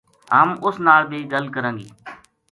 ہم اس نال بے گل کراں گی